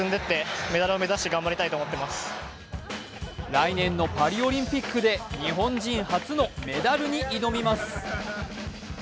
来年のパリオリンピックで日本人初のメダルに挑みます。